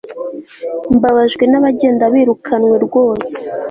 Mbabajwe nabagenda birukanwe rwose